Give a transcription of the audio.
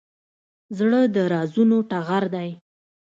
زړه د رازونو ټغر دی.